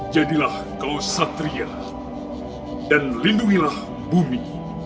jadilah kau satria dan lindungilah bumi